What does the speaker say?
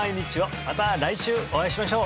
また来週お会いしましょう！